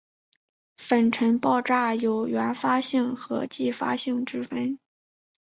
粉尘爆炸有原发性和继发性之分。